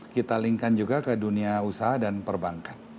kita link kan juga ke dunia usaha dan perbankan